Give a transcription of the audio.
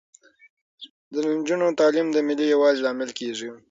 د نجونو تعلیم د ملي یووالي لامل کیږي.